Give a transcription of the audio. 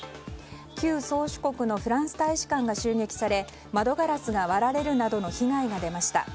旧宗主国のフランス大使館が襲撃され窓ガラスが割られるなどの被害がありました。